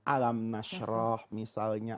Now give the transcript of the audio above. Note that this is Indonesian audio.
alam nashroh misalnya